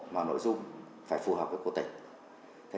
mà nội dung phải phù hợp với của tỉnh